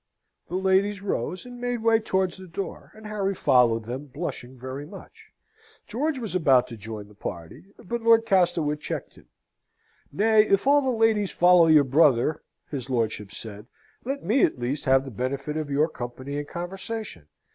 The ladies rose, and made way towards the door; and Harry followed them, blushing very much. George was about to join the party, but Lord Castlewood checked him. "Nay, if all the ladies follow your brother" his lordship said, "let me at least have the benefit of your company and conversation.